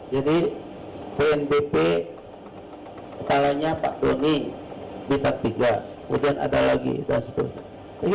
jadi bnpt kepalanya pak doni bintang tiga kemudian ada lagi dan sebagainya